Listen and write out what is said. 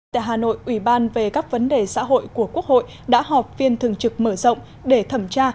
tại hà nội ủy ban về các vấn đề xã hội của quốc hội đã họp viên thường trực mở rộng để thẩm tra